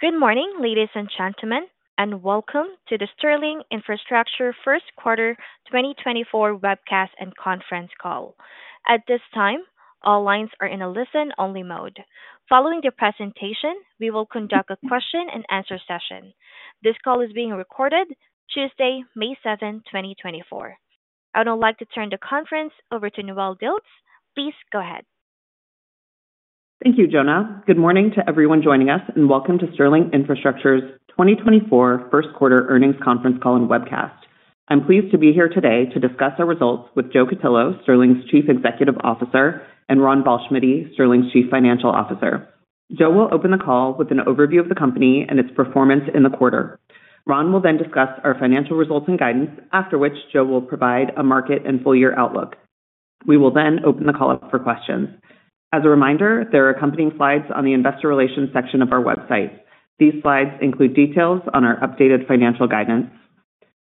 Good morning, ladies and gentlemen, and welcome to the Sterling Infrastructure first quarter 2024 webcast and conference call. At this time, all lines are in a listen-only mode. Following the presentation, we will conduct a question-and-answer session. This call is being recorded, Tuesday, May 7th, 2024. I would now like to turn the conference over to Noelle Dilts. Please go ahead. Thank you, Jenna. Good morning to everyone joining us, and welcome to Sterling Infrastructure's 2024 first quarter earnings conference call and webcast. I'm pleased to be here today to discuss our results with Joe Cutillo, Sterling's Chief Executive Officer, and Ronald Ballschmiede, Sterling's Chief Financial Officer. Joe will open the call with an overview of the company and its performance in the quarter. Ron will then discuss our financial results and guidance, after which Joe will provide a market and full year outlook. We will then open the call up for questions. As a reminder, there are accompanying slides on the investor relations section of our website. These slides include details on our updated financial guidance.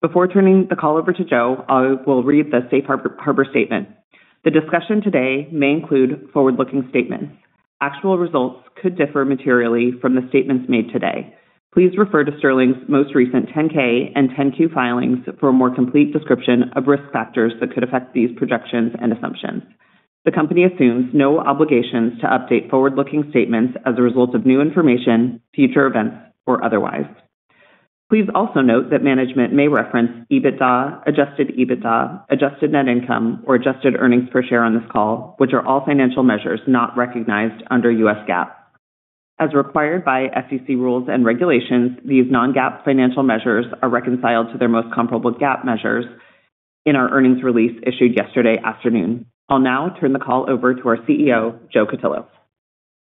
Before turning the call over to Joe, I will read the Safe Harbor statement. The discussion today may include forward-looking statements. Actual results could differ materially from the statements made today. Please refer to Sterling's most recent 10-K and 10-Q filings for a more complete description of risk factors that could affect these projections and assumptions. The company assumes no obligations to update forward-looking statements as a result of new information, future events, or otherwise. Please also note that management may reference EBITDA, adjusted EBITDA, adjusted net income, or adjusted earnings per share on this call, which are all financial measures not recognized under US GAAP. As required by SEC rules and regulations, these non-GAAP financial measures are reconciled to their most comparable GAAP measures in our earnings release issued yesterday afternoon. I'll now turn the call over to our CEO, Joe Cutillo.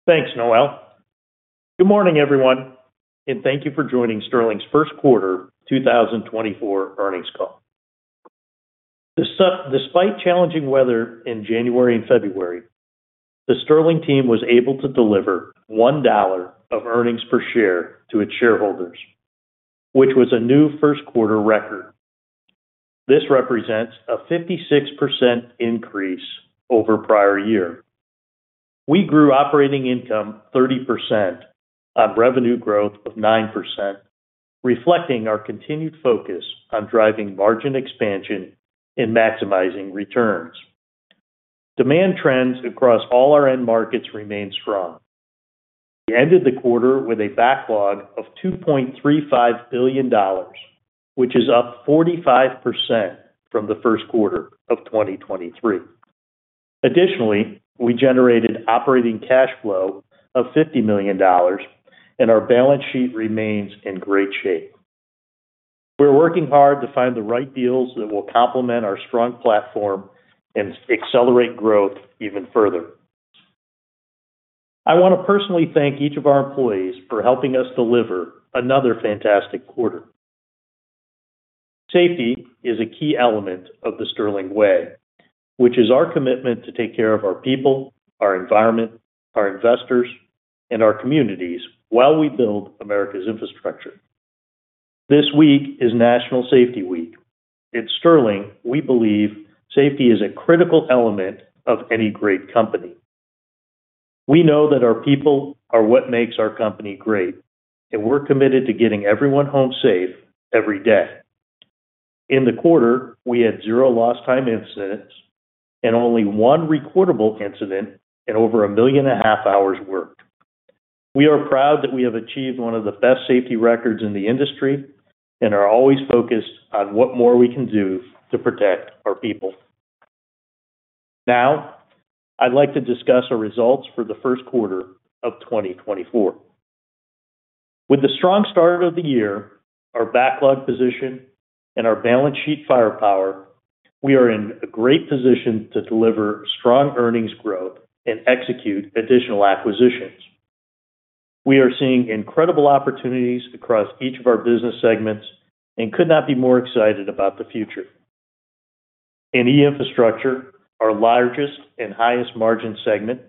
Thanks, Noelle. Good morning, everyone, and thank you for joining Sterling's first quarter 2024 earnings call. Despite challenging weather in January and February, the Sterling team was able to deliver $1 of earnings per share to its shareholders, which was a new first quarter record. This represents a 56% increase over prior year. We grew operating income 30% on revenue growth of 9%, reflecting our continued focus on driving margin expansion and maximizing returns. Demand trends across all our end markets remain strong. We ended the quarter with a backlog of $2.35 billion, which is up 45% from the first quarter of 2023. Additionally, we generated operating cash flow of $50 million, and our balance sheet remains in great shape. We're working hard to find the right deals that will complement our strong platform and accelerate growth even further. I want to personally thank each of our employees for helping us deliver another fantastic quarter. Safety is a key element of the Sterling Way, which is our commitment to take care of our people, our environment, our investors, and our communities while we build America's infrastructure. This week is National Safety Week. At Sterling, we believe safety is a critical element of any great company. We know that our people are what makes our company great, and we're committed to getting everyone home safe every day. In the quarter, we had zero lost time incidents and only one recordable incident in over 1.5 million hours worked. We are proud that we have achieved one of the best safety records in the industry and are always focused on what more we can do to protect our people. Now, I'd like to discuss our results for the first quarter of 2024. With the strong start of the year, our backlog position, and our balance sheet firepower, we are in a great position to deliver strong earnings growth and execute additional acquisitions. We are seeing incredible opportunities across each of our business segments and could not be more excited about the future. In E-Infrastructure, our largest and highest margin segment,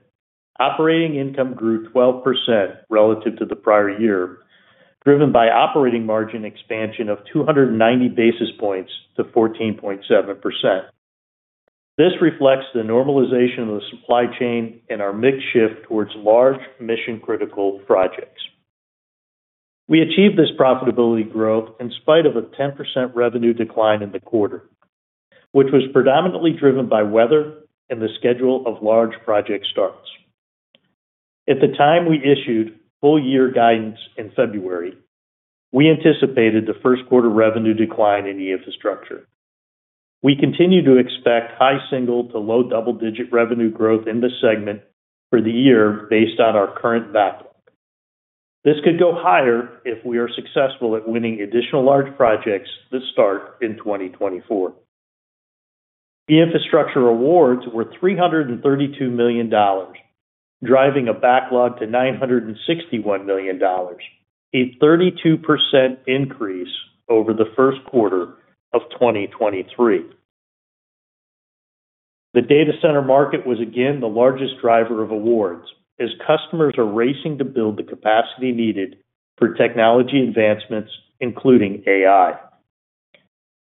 operating income grew 12% relative to the prior year, driven by operating margin expansion of 290 basis points to 14.7%. This reflects the normalization of the supply chain and our mix shift towards large mission-critical projects. We achieved this profitability growth in spite of a 10% revenue decline in the quarter, which was predominantly driven by weather and the schedule of large project starts. At the time we issued full year guidance in February, we anticipated the first quarter revenue decline in E-Infrastructure. We continue to expect high single- to low double-digit revenue growth in this segment for the year based on our current backlog. This could go higher if we are successful at winning additional large projects that start in 2024. The infrastructure awards were $332 million, driving a backlog to $961 million, a 32% increase over the first quarter of 2023. The data center market was again the largest driver of awards as customers are racing to build the capacity needed for technology advancements, including AI....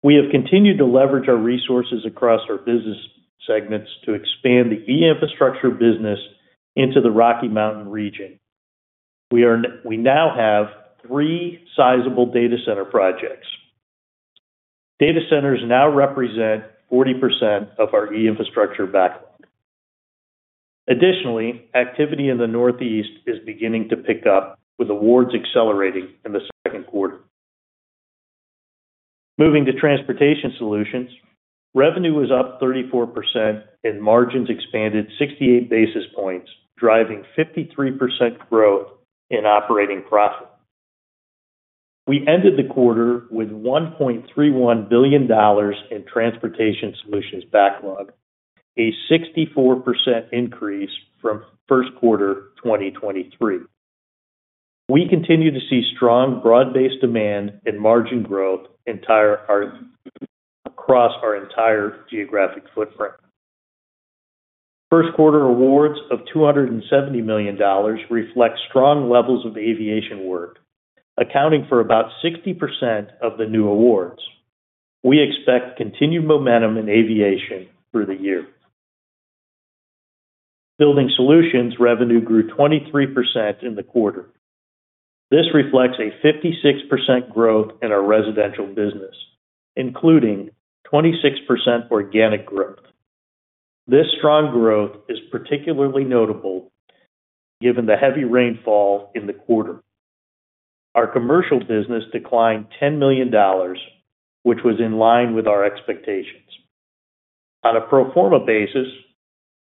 We have continued to leverage our resources across our business segments to expand the E-Infrastructure business into the Rocky Mountain region. We now have three sizable data center projects. Data centers now represent 40% of our E-Infrastructure backlog. Additionally, activity in the Northeast is beginning to pick up, with awards accelerating in the second quarter. Moving to Transportation Solutions, revenue was up 34% and margins expanded 68 basis points, driving 53% growth in operating profit. We ended the quarter with $1.31 billion in Transportation Solutions backlog, a 64% increase from first quarter 2023. We continue to see strong broad-based demand and margin growth across our entire geographic footprint. First quarter awards of $270 million reflect strong levels of aviation work, accounting for about 60% of the new awards. We expect continued momentum in aviation through the year. Building Solutions revenue grew 23% in the quarter. This reflects a 56% growth in our residential business, including 26% organic growth. This strong growth is particularly notable given the heavy rainfall in the quarter. Our commercial business declined $10 million, which was in line with our expectations. On a pro forma basis,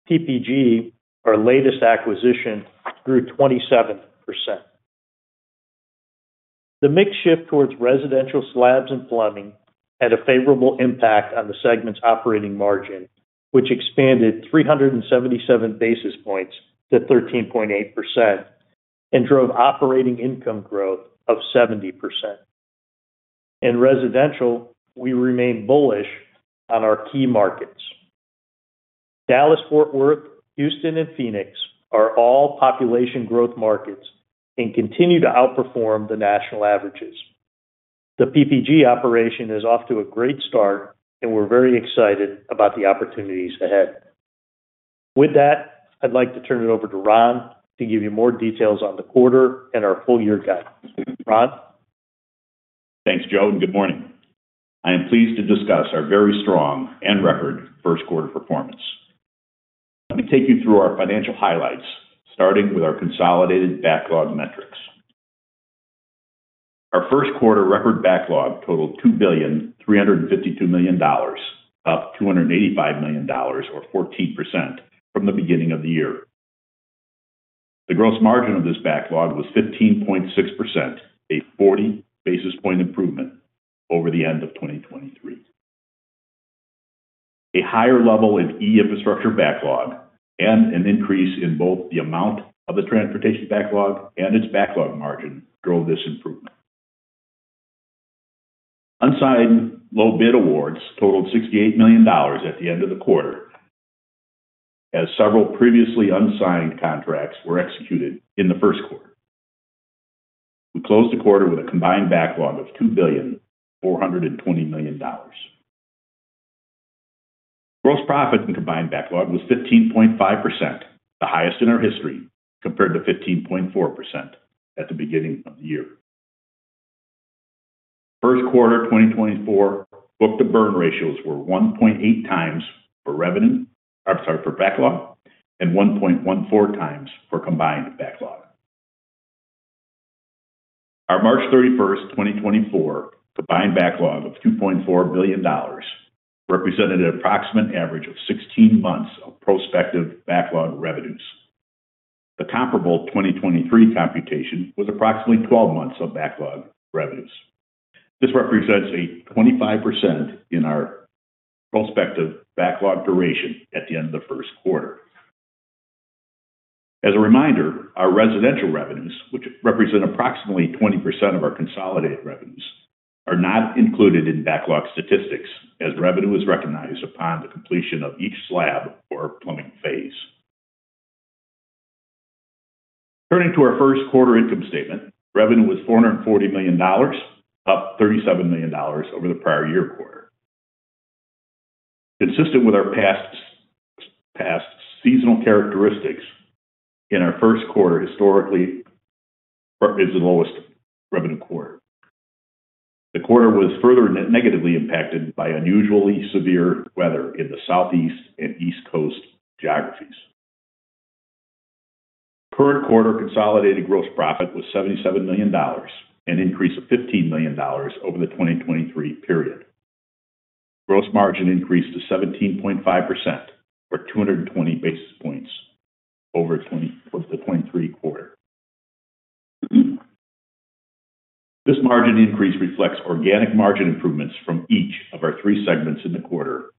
PPG, our latest acquisition, grew 27%. The mix shift towards residential slabs and plumbing had a favorable impact on the segment's operating margin, which expanded 377 basis points to 13.8% and drove operating income growth of 70%. In residential, we remain bullish on our key markets. Dallas, Fort Worth, Houston, and Phoenix are all population growth markets and continue to outperform the national averages. The PPG operation is off to a great start, and we're very excited about the opportunities ahead. With that, I'd like to turn it over to Ron to give you more details on the quarter and our full year guidance. Ron? Thanks, Joe, and good morning. I am pleased to discuss our very strong and record first quarter performance. Let me take you through our financial highlights, starting with our consolidated backlog metrics. Our first quarter record backlog totaled $2.352 billion, up $285 million or 14% from the beginning of the year. The gross margin of this backlog was 15.6%, a 40 basis point improvement over the end of 2023. A higher level in E-Infrastructure backlog and an increase in both the amount of the Transportation backlog and its backlog margin drove this improvement. Unsigned low bid awards totaled $68 million at the end of the quarter, as several previously unsigned contracts were executed in the first quarter. We closed the quarter with a combined backlog of $2.42 billion. Gross profit in combined backlog was 15.5%, the highest in our history, compared to 15.4% at the beginning of the year. First quarter 2024 book-to-burn ratios were 1.8 times for revenue, I'm sorry, for backlog, and 1.14 times for combined backlog. Our March 31, 2024, combined backlog of $2.4 billion represented an approximate average of 16 months of prospective backlog revenues. The comparable 2023 computation was approximately 12 months of backlog revenues. This represents a 25% in our prospective backlog duration at the end of the first quarter. As a reminder, our residential revenues, which represent approximately 20% of our consolidated revenues, are not included in backlog statistics, as revenue is recognized upon the completion of each slab or plumbing phase. Turning to our first quarter income statement. Revenue was $440 million, up $37 million over the prior-year quarter. Consistent with our past seasonal characteristics in our first quarter, historically, is the lowest revenue quarter. The quarter was further negatively impacted by unusually severe weather in the Southeast and East Coast geographies. Current quarter consolidated gross profit was $77 million, an increase of $15 million over the 2023 period. Gross margin increased to 17.5%, or 220 basis points over the 2023 quarter. This margin increase reflects organic margin improvements from each of our three segments in the quarter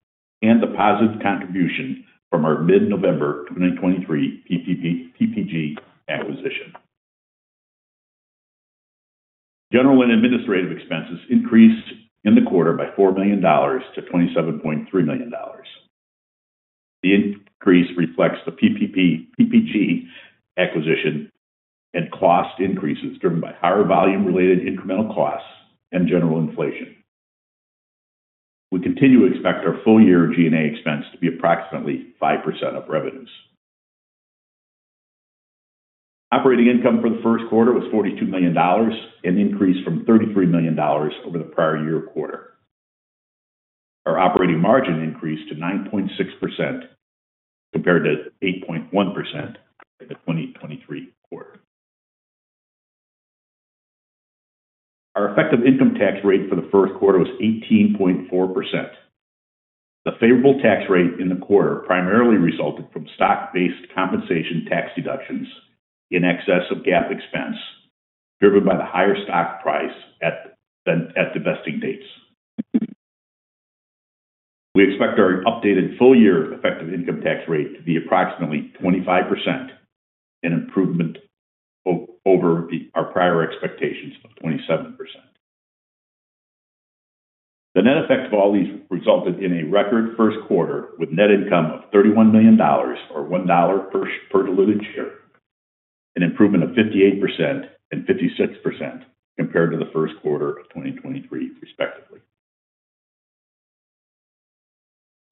and the positive contribution from our mid-November 2023 PPG acquisition. General and administrative expenses increased in the quarter by $4 million to $27.3 million. The increase reflects the PPG acquisition and cost increases driven by higher volume-related incremental costs and general inflation. We continue to expect our full year G&A expense to be approximately 5% of revenues. Operating income for the first quarter was $42 million, an increase from $33 million over the prior year quarter. Our operating margin increased to 9.6% compared to 8.1% in the 2023 quarter. Our effective income tax rate for the first quarter was 18.4%. The favorable tax rate in the quarter primarily resulted from stock-based compensation tax deductions in excess of GAAP expense, driven by the higher stock price at the vesting dates. We expect our updated full year effective income tax rate to be approximately 25%, an improvement over our prior expectations of 27%. The net effect of all these resulted in a record first quarter with net income of $31 million or $1 per diluted share, an improvement of 58% and 56% compared to the first quarter of 2023, respectively.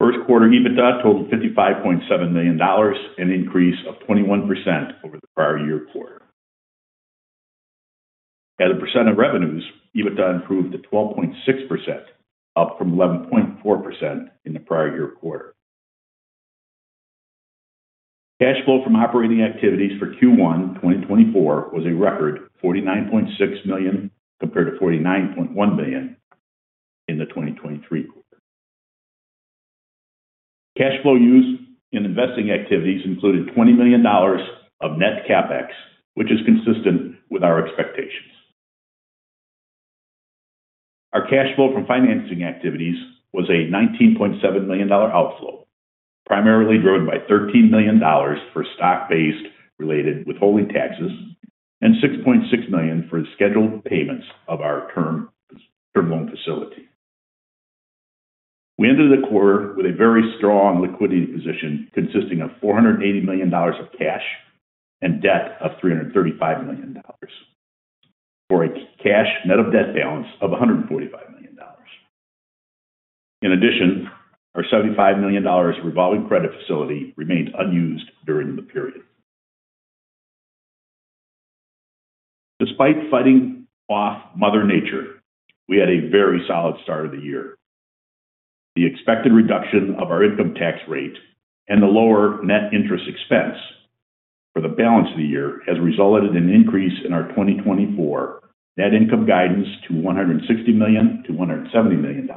First quarter EBITDA totaled $55.7 million, an increase of 21% over the prior year quarter. As a percent of revenues, EBITDA improved to 12.6%, up from 11.4% in the prior year quarter. Cash flow from operating activities for Q1 2024 was a record $49.6 million, compared to $49.1 million in the 2023 quarter. Cash flow used in investing activities included $20 million of net CapEx, which is consistent with our expectations. Our cash flow from financing activities was a $19.7 million outflow, primarily driven by $13 million for stock-based related withholding taxes and $6.6 million for scheduled payments of our term loan facility. We ended the quarter with a very strong liquidity position, consisting of $480 million of cash and debt of $335 million, for a cash net of debt balance of $145 million. In addition, our $75 million revolving credit facility remained unused during the period. Despite fighting off Mother Nature, we had a very solid start of the year. The expected reduction of our income tax rate and the lower net interest expense for the balance of the year has resulted in an increase in our 2024 net income guidance to $160 million to $170 million,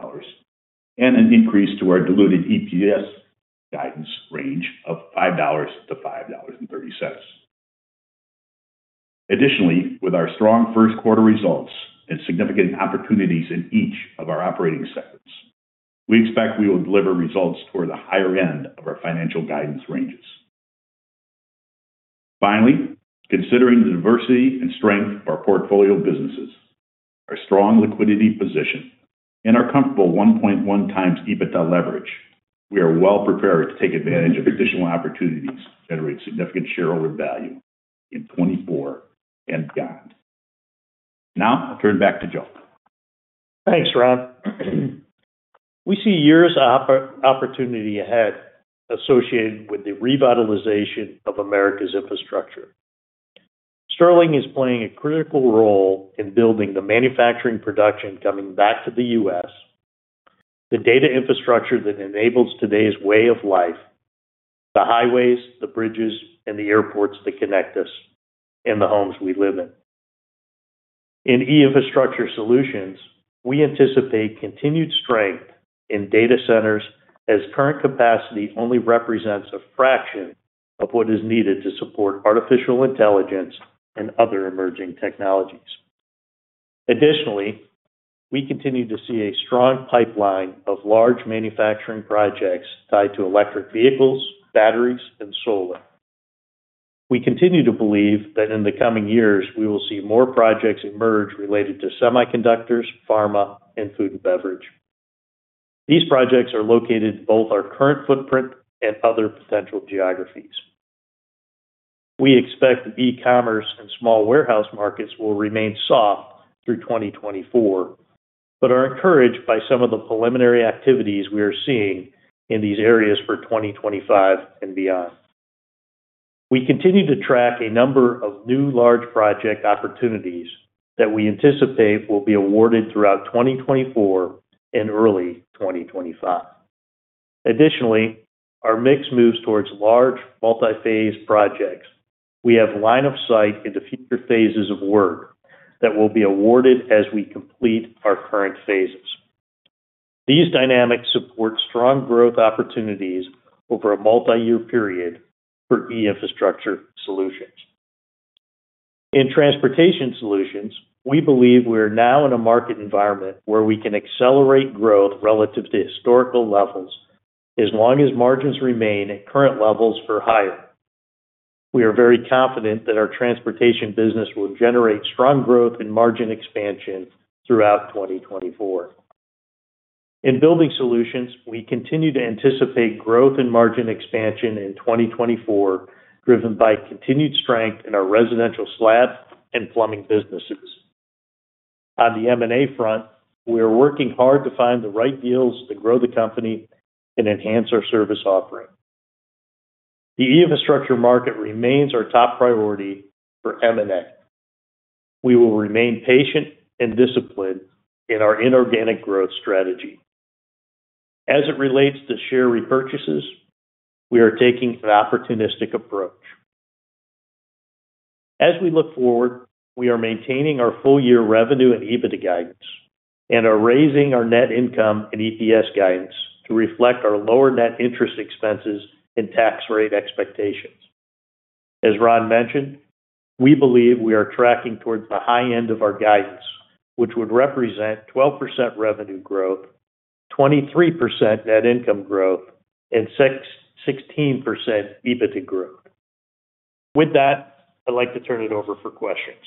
and an increase to our diluted EPS guidance range of $5-$5.30. Additionally, with our strong first quarter results and significant opportunities in each of our operating segments, we expect we will deliver results toward the higher end of our financial guidance ranges. Finally, considering the diversity and strength of our portfolio of businesses, our strong liquidity position and our comfortable 1.1x EBITDA leverage, we are well prepared to take advantage of additional opportunities to generate significant shareholder value in 2024 and beyond. Now I'll turn it back to Joe. Thanks, Ron. We see years of opportunity ahead associated with the revitalization of America's infrastructure. Sterling is playing a critical role in building the manufacturing production coming back to the U.S., the data infrastructure that enables today's way of life, the highways, the bridges, and the airports that connect us, and the homes we live in. In E-Infrastructure Solutions, we anticipate continued strength in data centers as current capacity only represents a fraction of what is needed to support artificial intelligence and other emerging technologies. Additionally, we continue to see a strong pipeline of large manufacturing projects tied to electric vehicles, batteries, and solar. We continue to believe that in the coming years, we will see more projects emerge related to semiconductors, pharma, and food and beverage. These projects are located in both our current footprint and other potential geographies. We expect the e-commerce and small warehouse markets will remain soft through 2024, but are encouraged by some of the preliminary activities we are seeing in these areas for 2025 and beyond. We continue to track a number of new large project opportunities that we anticipate will be awarded throughout 2024 and early 2025. Additionally, our mix moves towards large, multi-phase projects. We have line of sight into future phases of work that will be awarded as we complete our current phases. These dynamics support strong growth opportunities over a multi-year period for E-Infrastructure Solutions. In Transportation Solutions, we believe we are now in a market environment where we can accelerate growth relative to historical levels, as long as margins remain at current levels or higher. We are very confident that our Transportation business will generate strong growth and margin expansion throughout 2024. In Building Solutions, we continue to anticipate growth and margin expansion in 2024, driven by continued strength in our residential slab and plumbing businesses. On the M&A front, we are working hard to find the right deals to grow the company and enhance our service offering. The E-Infrastructure market remains our top priority for M&A. We will remain patient and disciplined in our inorganic growth strategy. As it relates to share repurchases, we are taking an opportunistic approach. As we look forward, we are maintaining our full-year revenue and EBITDA guidance, and are raising our net income and EPS guidance to reflect our lower net interest expenses and tax rate expectations. As Ron mentioned, we believe we are tracking towards the high end of our guidance, which would represent 12% revenue growth, 23% net income growth, and 16% EBITDA growth. With that, I'd like to turn it over for questions.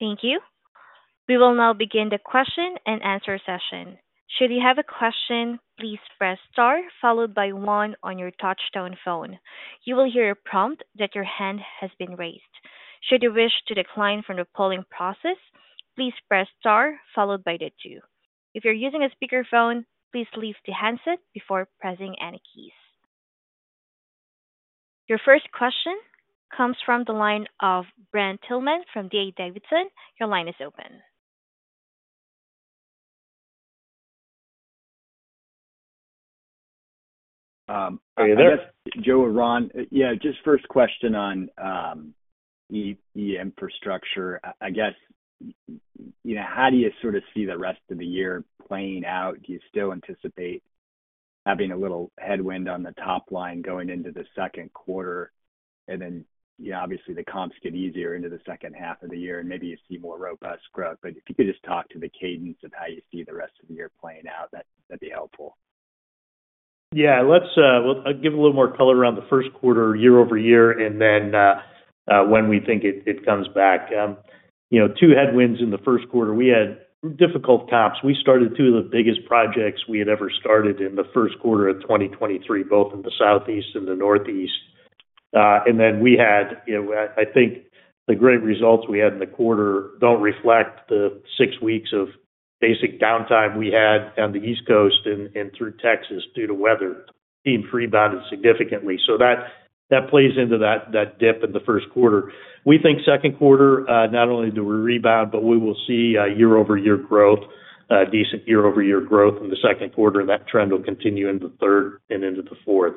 Thank you. We will now begin the question and answer session. Should you have a question, please press star followed by one on your touchtone phone. You will hear a prompt that your hand has been raised. Should you wish to decline from the polling process, please press star followed by the two. If you're using a speakerphone, please leave the handset before pressing any keys. Your first question comes from the line of Brent Thielman from D.A. Davidson. Your line is open. Are you there? Joe and Ron, yeah, just first question on E-Infrastructure. I guess, you know, how do you sort of see the rest of the year playing out? Do you still anticipate having a little headwind on the top line going into the second quarter? And then, you know, obviously the comps get easier into the second half of the year, and maybe you see more robust growth. But if you could just talk to the cadence of how you see the rest of the year playing out, that'd be helpful. Yeah, let's, I'll give a little more color around the first quarter, year-over-year, and then, when we think it, it comes back. You know, two headwinds in the first quarter. We had difficult comps. We started two of the biggest projects we had ever started in the first quarter of 2023, both in the Southeast and the Northeast. And then we had, you know, I, I think the great results we had in the quarter don't reflect the six weeks of basic downtime we had on the East Coast and, and through Texas due to weather. Teams rebounded significantly. So that, that plays into that, that dip in the first quarter. We think second quarter, not only do we rebound, but we will see year-over-year growth, decent year-over-year growth in the second quarter, and that trend will continue into third and into the fourth.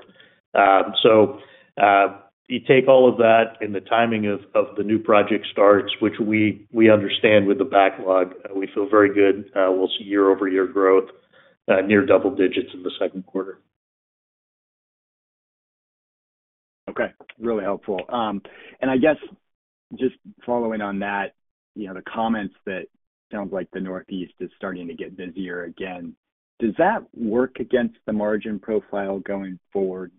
So, you take all of that and the timing of the new project starts, which we understand with the backlog, we feel very good. We'll see year-over-year growth, near double digits in the second quarter. Okay, really helpful. And I guess just following on that, you know, the comments that sounds like the Northeast is starting to get busier again. Does that work against the margin profile going forward?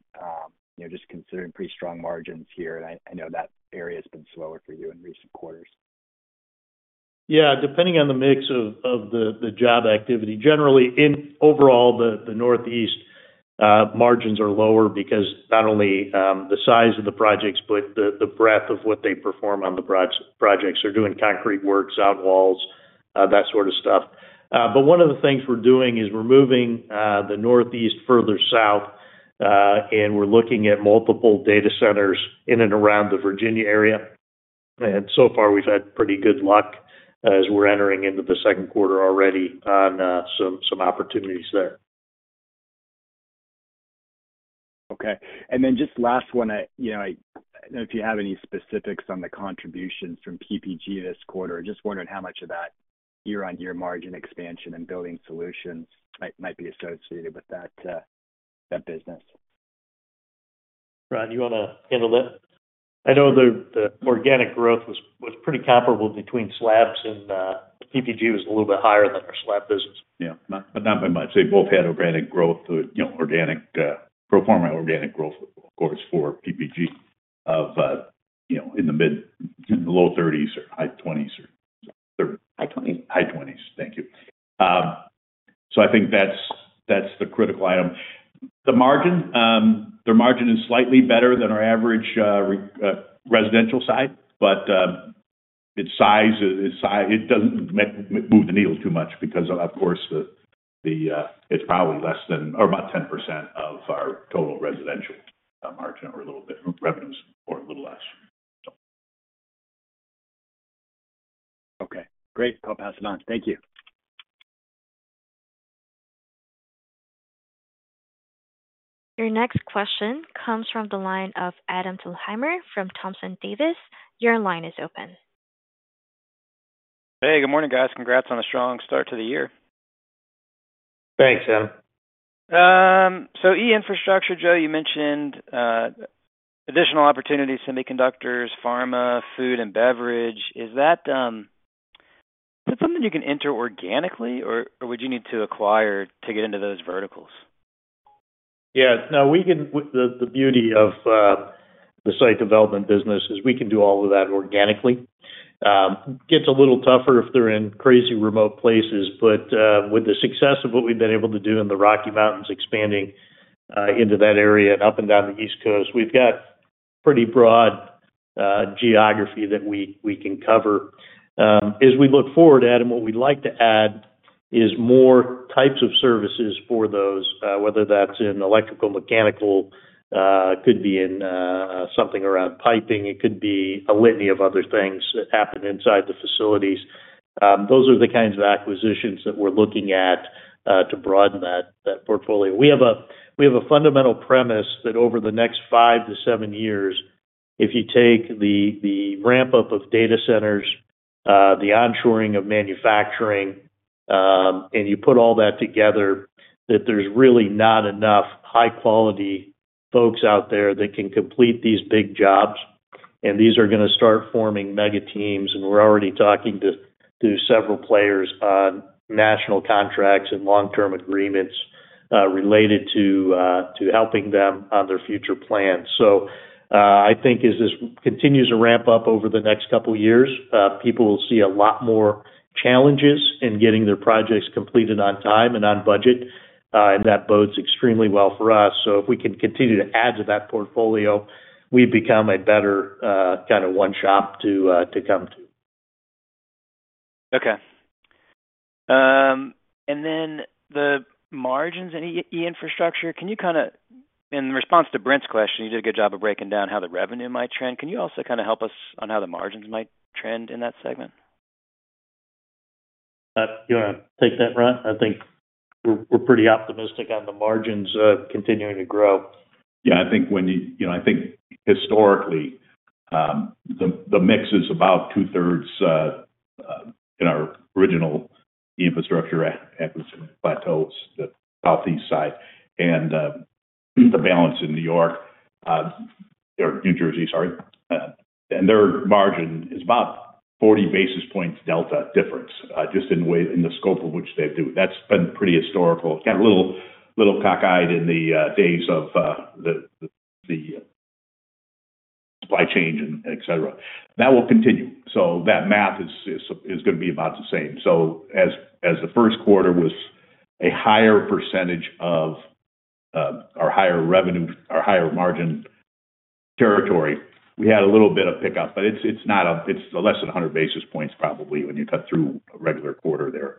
You know, just considering pretty strong margins here, and I know that area has been slower for you in recent quarters. Yeah, depending on the mix of the job activity, generally in overall the Northeast, margins are lower because not only the size of the projects, but the breadth of what they perform on the projects. They're doing concrete works, out walls, that sort of stuff. But one of the things we're doing is we're moving the Northeast further south, and we're looking at multiple data centers in and around the Virginia area. And so far, we've had pretty good luck as we're entering into the second quarter already on some opportunities there. Okay. And then just last one, I, you know, I don't know if you have any specifics on the contributions from PPG this quarter. I'm just wondering how much of that year-over-year margin expansion and Building Solutions might, might be associated with that, that business. Ron, do you want to handle that? I know the organic growth was pretty comparable between slabs and PPG was a little bit higher than our slab business. Yeah, but not by much. They both had organic growth, you know, organic, pro forma organic growth, of course, for PPG, of, you know, in the mid, in the low 30s or high 20s or- High twenties. High 20s. Thank you. So I think that's the critical item. The margin, their margin is slightly better than our average residential side, but its size, it doesn't move the needle too much because, of course, the, it's probably less than or about 10% of our total residential margin or a little bit revenues or a little less, so. Okay, great. I'll pass it on. Thank you. Your next question comes from the line of Adam Thalhimer from Thompson Davis. Your line is open. Hey, good morning, guys. Congrats on a strong start to the year. Thanks, Adam. So E-Infrastructure, Joe, you mentioned additional opportunities, semiconductors, pharma, food and beverage. Is that something you can enter organically, or would you need to acquire to get into those verticals? Yeah, no, we can – with the beauty of the site development business is we can do all of that organically. Gets a little tougher if they're in crazy remote places, but with the success of what we've been able to do in the Rocky Mountains, expanding into that area and up and down the East Coast, we've got pretty broad geography that we can cover. As we look forward, Adam, what we'd like to add is more types of services for those, whether that's in electrical, mechanical, could be in something around piping, it could be a litany of other things that happen inside the facilities. Those are the kinds of acquisitions that we're looking at to broaden that portfolio. We have a fundamental premise that over the next five to seven years, if you take the ramp-up of data centers, the onshoring of manufacturing, and you put all that together, that there's really not enough high-quality folks out there that can complete these big jobs, and these are gonna start forming mega teams, and we're already talking to several players on national contracts and long-term agreements, related to helping them on their future plans. So, I think as this continues to ramp up over the next couple of years, people will see a lot more challenges in getting their projects completed on time and on budget, and that bodes extremely well for us. So if we can continue to add to that portfolio, we become a better, kind of one shop to come to. Okay. And then the margins in E-Infrastructure, can you kind of... In response to Brent's question, you did a good job of breaking down how the revenue might trend. Can you also kind of help us on how the margins might trend in that segment? You want to take that, Ron? I think we're pretty optimistic on the margins continuing to grow. Yeah, I think when you—you know, I think historically, the mix is about two-thirds in our original infrastructure at Plateau's, the Southeast side, and the balance in New York or New Jersey, sorry. And their margin is about 40 basis points delta difference just in the way, in the scope of which they do. That's been pretty historical. Got a little cockeyed in the days of the supply chain and et cetera. That will continue. So that math is gonna be about the same. So as the first quarter was a higher percentage of our higher revenue, our higher margin territory, we had a little bit of pickup, but it's not a—it's less than 100 basis points, probably, when you cut through a regular quarter there.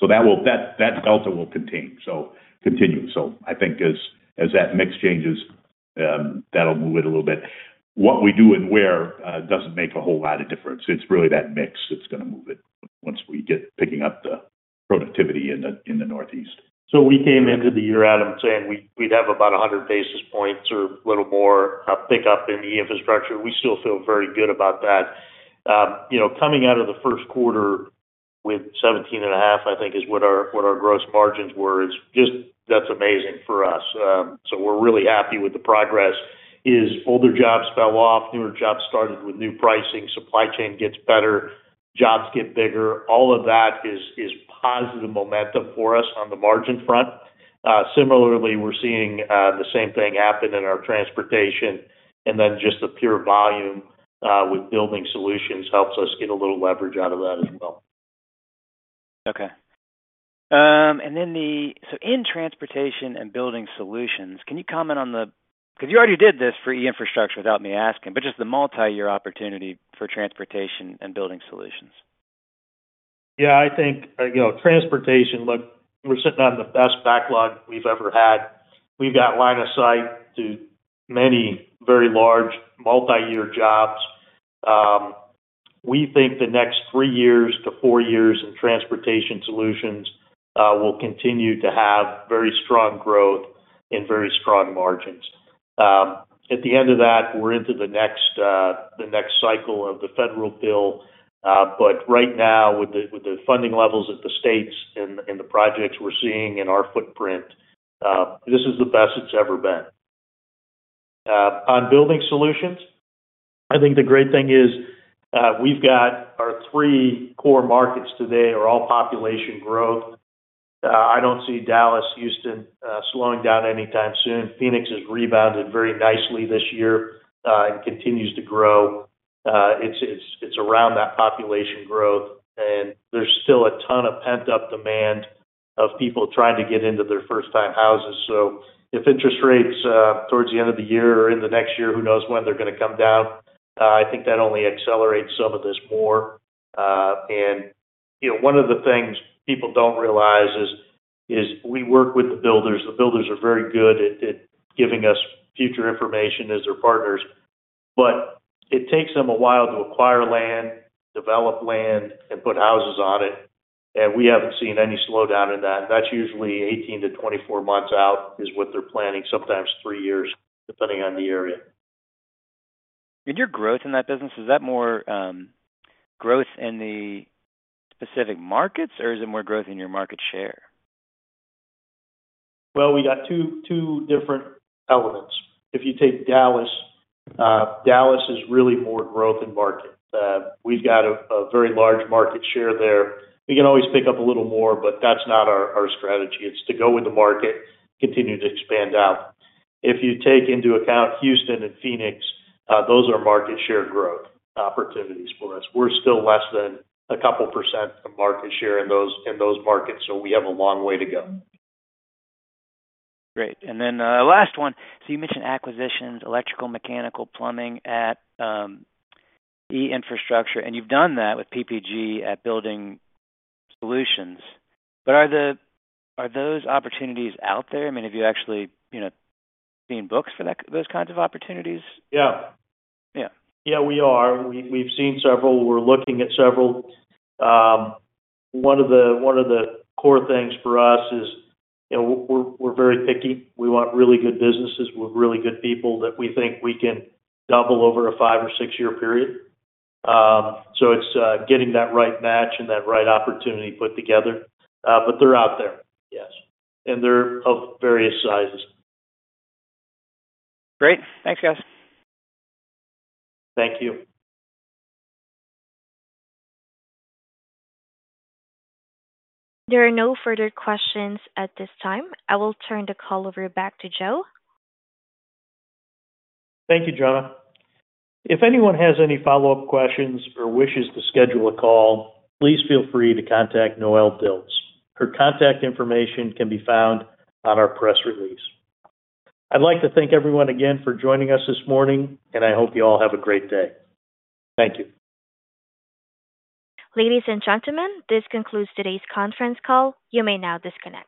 So that will... That, that delta will continue, so continue. So I think as, as that mix changes, that'll move it a little bit. What we do and where doesn't make a whole lot of difference. It's really that mix that's gonna move it once we get picking up the productivity in the Northeast. So we came into the year, Adam, saying we'd have about 100 basis points or a little more pickup in the infrastructure. We still feel very good about that. You know, coming out of the first quarter with 17.5%, I think is what our gross margins were, it's just, that's amazing for us. So we're really happy with the progress as older jobs fell off, newer jobs started with new pricing, supply chain gets better, jobs get bigger. All of that is positive momentum for us on the margin front. Similarly, we're seeing the same thing happen in our Transportation, and then just the pure volume with Building Solutions helps us get a little leverage out of that as well. Okay. So in Transportation and Building Solutions, can you comment on the... Because you already did this for E-Infrastructure without me asking, but just the multi-year opportunity for Transportation and Building Solutions. Yeah, I think, you know, Transportation, look, we're sitting on the best backlog we've ever had. We've got line of sight to many very large multi-year jobs. We think the next three years to four years in Transportation Solutions will continue to have very strong growth and very strong margins. At the end of that, we're into the next cycle of the federal bill, but right now, with the funding levels at the states and the projects we're seeing in our footprint, this is the best it's ever been. On Building Solutions, I think the great thing is, we've got our three core markets today are all population growth. I don't see Dallas, Houston, slowing down anytime soon. Phoenix has rebounded very nicely this year and continues to grow. It's around that population growth, and there's still a ton of pent-up demand of people trying to get into their first-time houses. So if interest rates towards the end of the year or in the next year, who knows when they're gonna come down? I think that only accelerates some of this more. And, you know, one of the things people don't realize is we work with the builders. The builders are very good at giving us future information as their partners, but it takes them a while to acquire land, develop land, and put houses on it, and we haven't seen any slowdown in that. That's usually 18 to 24 months out, is what they're planning, sometimes three years, depending on the area. Your growth in that business, is that more growth in the specific markets, or is it more growth in your market share? ...Well, we got two different elements. If you take Dallas, Dallas is really more growth in market. We've got a very large market share there. We can always pick up a little more, but that's not our strategy. It's to go with the market, continue to expand out. If you take into account Houston and Phoenix, those are market share growth opportunities for us. We're still less than a couple% of market share in those markets, so we have a long way to go. Great. And then, last one. So you mentioned acquisitions, electrical, mechanical, plumbing at E-Infrastructure, and you've done that with PPG at Building Solutions. But are those opportunities out there? I mean, have you actually, you know, seen books for that, those kinds of opportunities? Yeah. Yeah. Yeah, we are. We, we've seen several. We're looking at several. One of the, one of the core things for us is, you know, we're, we're very picky. We want really good businesses with really good people that we think we can double over a five or six-year period. So it's, getting that right match and that right opportunity put together. But they're out there, yes, and they're of various sizes. Great. Thanks, guys. Thank you. There are no further questions at this time. I will turn the call over back to Joe. Thank you, Jenna. If anyone has any follow-up questions or wishes to schedule a call, please feel free to contact Noelle Dilts. Her contact information can be found on our press release. I'd like to thank everyone again for joining us this morning, and I hope you all have a great day. Thank you. Ladies and gentlemen, this concludes today's conference call. You may now disconnect.